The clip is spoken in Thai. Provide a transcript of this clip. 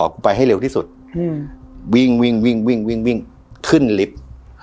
กูไปให้เร็วที่สุดวิ่งวิ่งวิ่งวิ่งวิ่งขึ้นลิฟท์